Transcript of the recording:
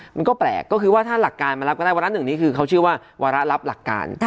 มันก็แปลกก็คือว่าถ้าหลักการมันรับก็ได้วาระหนึ่งนี้คือเขาเชื่อว่าวาระรับหลักการ